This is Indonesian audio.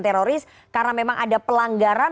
teroris karena memang ada pelanggaran